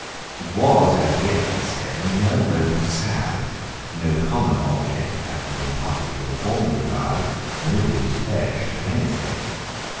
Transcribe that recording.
It was as yet, he said, a mere rope of sand: no common object had been publicly and formally avowed: nobody was pledged to anything.